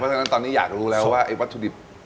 ฉะนั้นตอนนี้อยากรู้แล้วว่าไอ้วัตถุดิบ